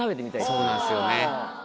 そうなんですよね。